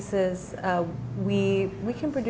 kita bisa membuat